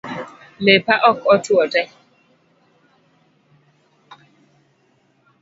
Lepa ok otuo tee